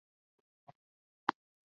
只在周一至六早上繁忙时间服务。